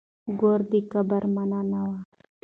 ګور د کبر مانا نه وه.